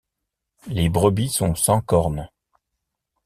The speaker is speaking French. Les brebis sont sans cornes.